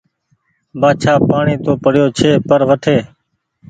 بآڇآ پآڻيٚ تو پڙيو ڇي پر وٺي